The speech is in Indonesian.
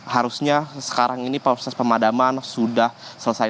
harusnya sekarang ini proses pemadaman sudah selesai